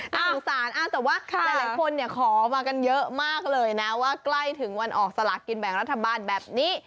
น่าสงสารแต่ว่าหลายคนขอมากันเยอะมากเลยนะว่าใกล้ถึงวันออกสลากกินแบ่งรัฐบาลแบบนี้